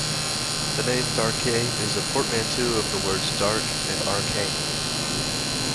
The name Darkane is a portmanteau of the words "dark" and "arcane".